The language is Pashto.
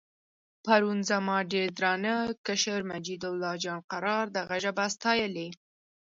پرون زما ډېر درانه کشر مجیدالله جان قرار دغه ژبه ستایلې.